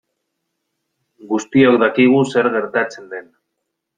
Guztiok dakigu zer gertatzen den.